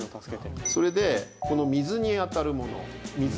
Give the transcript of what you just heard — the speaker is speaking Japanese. それでこの水に当たるもの水がですね